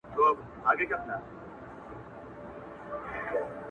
نه یې خدای او نه یې خلګو ته مخ تور سي,